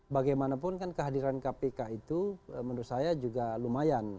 bagaimanapun kan kehadiran kpk itu menurut saya juga lumayan